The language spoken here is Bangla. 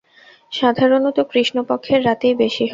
সাধারণত কৃষ্ণপক্ষের রাতেই বেশি হয়।